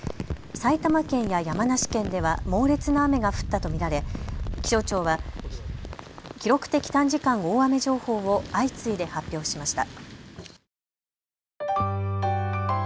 埼玉県や山梨県では猛烈な雨が降ったと見られ気象庁は記録的短時間大雨情報を相次いで発表しました。